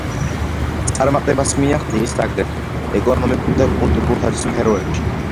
წარმატებას მიაღწიეს, აგრეთვე, ეკონომიკურ და კულტურულ სფეროებში.